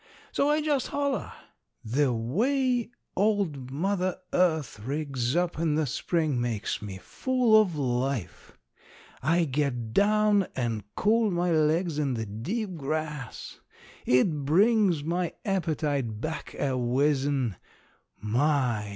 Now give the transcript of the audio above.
So I just holler. The way old Mother Earth rigs up in the Spring makes me full of life. I get down and cool my legs in the deep grass. It brings my appetite back a whizzin'. My!